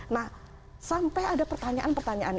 nah sampai ada pertanyaan pertanyaan